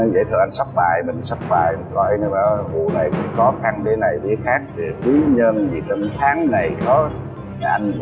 để có nhiều c villain